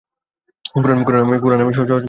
কুরআন আমি সহজ করে দিয়েছি উপদেশ গ্রহণের জন্য।